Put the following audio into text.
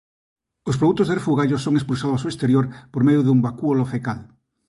Os produtos de refugallo son expulsados ao exterior por medio dun vacúolo fecal.